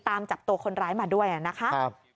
ตามจับตัวคนร้ายมาด้วยนะคะ